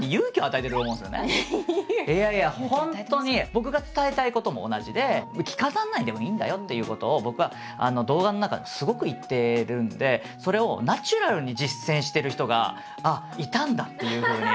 僕が伝えたいことも同じで着飾らないでもいいんだよということを僕は動画の中ですごく言ってるんでそれをナチュラルに実践してる人がああいたんだっていうふうに。